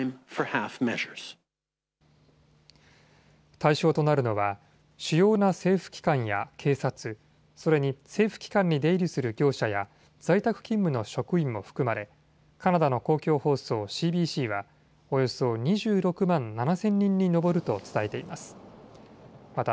対象となるのは主要な政府機関や警察、それに政府機関に出入りする業者や在宅勤務の職員も含まれカナダの公共放送ＣＢＣはおよそ２６万７０００人に上ると伝えています。